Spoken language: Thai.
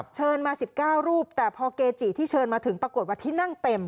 เชิญมา๑๙รูปแต่พอเกจิที่เชิญมาถึงปรากฏว่าที่นั่งเต็ม